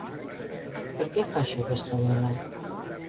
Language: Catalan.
Per què fa això aquesta dona?